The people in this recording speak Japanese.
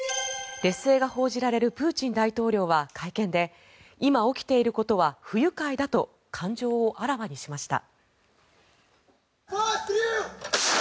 劣勢が報じられるプーチン大統領は、会見で今起きていることは不愉快だと感情をあらわにしました。